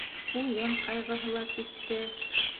Уйын ҡайғыһы ла китте.